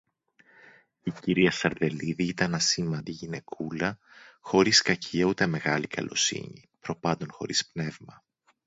Η κυρία Σαρδελίδη ήταν ασήμαντη γυναικούλα, χωρίς κακία ούτε μεγάλη καλοσύνη, προπάντων χωρίς πνεύμα